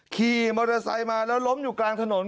ขี่มอเตอร์ไซค์มาแล้วล้มอยู่กลางถนน